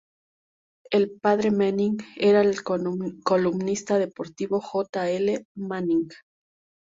El padre Manning era el columnista deportivo J. L. Manning.